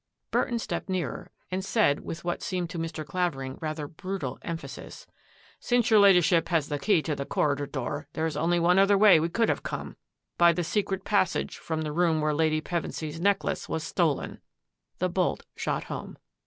Burton stepped nearer and said with what seemed to Mr. Clavering rather brutal emphasis, " Since your Ladyship has the key to the corridor door, there is only one other way we could have come — by the secret passage from the room where Lady Pevensy's necklace was stolen." The bolt shot home.